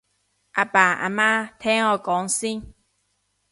阿爸阿媽聽我講先